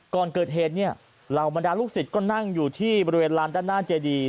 ก่อนเกิดเหตุเรามาดาลูกศิษย์ก็นั่งอยู่ที่บริเวณร้านด้านหน้าเจดี